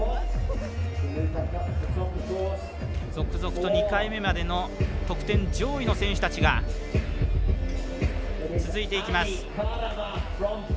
続々と２回目までの得点上位の選手たちが続いていきます。